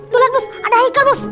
tuh liat bos ada haikel bos